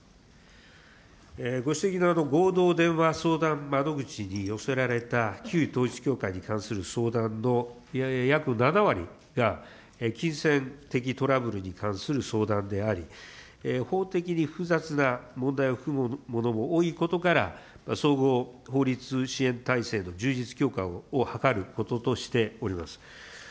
ご指摘の合同電話相談窓口に寄せられた旧統一教会に関する相談の約７割が、金銭的トラブルに関する相談であり、法的に複雑な問題を含むものも多いことから、総合法律支援体制の充実強化を図ることとしております。